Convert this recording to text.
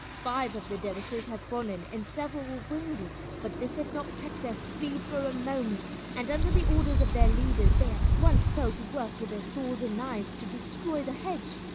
Five of the dervishes had fallen and several were wounded, but this had not checked their speed for a moment, and under the orders of their leaders they at once fell to work with their swords and knives to destroy the hedge.